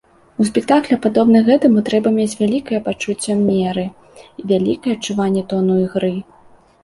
У спектаклях, падобных гэтаму, трэба мець вялікае пачуццё меры і вялікае адчуванне тону ігры.